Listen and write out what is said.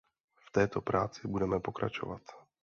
V této práci budeme pokračovat.